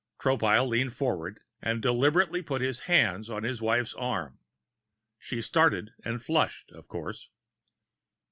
Tropile leaned forward and deliberately put his hand on his wife's arm. She started and flushed, of course.